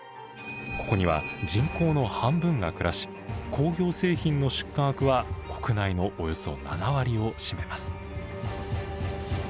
ここには人口の半分が暮らし工業製品の出荷額は国内のおよそ７割を占めます。